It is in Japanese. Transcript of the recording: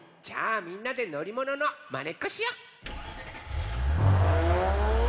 じゃあみんなでのりもののまねっこしよう。